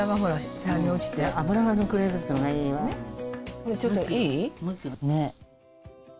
これちょっといい？